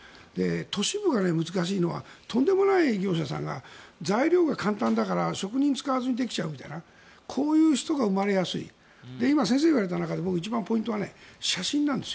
都市部が難しいのはとんでもない業者さんが材料が簡単だから職人を使わずにできちゃうみたいなこういう人が生まれやすい今、先生が言われた中で一番のポイントは写真なんです。